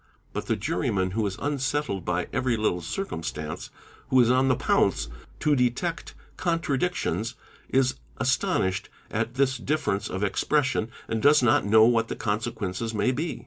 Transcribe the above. '' But the juryman who is unsettled by every little circumstance, who is on the pounce to detect contradic tions, 1s astonished at this difference of expression and does not know | what the consequences may be.